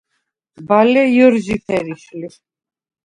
ბალე ჲჷრჟი ფერიშ ლი.